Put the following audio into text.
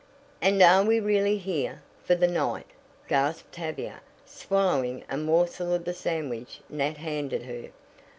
"And are we really here for the night?" gasped Tavia, swallowing a morsel of the sandwich Nat handed her.